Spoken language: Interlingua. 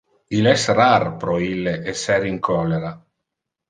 Il es rar pro ille esser in cholera.